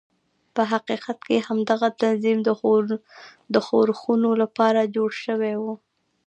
په حقیقت کې همدغه تنظیم د ښورښونو لپاره جوړ شوی و.